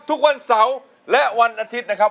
ทุกวันเสาร์และวันอาทิตย์นะครับ